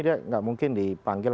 dia nggak mungkin dipanggil